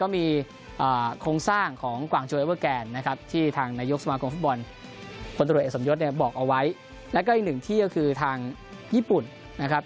มีใครกันบ้างครับ